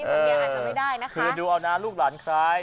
สำเรียงอ่านก็ไม่ได้นะคะคือดูเอาน้าลูกหลานใคร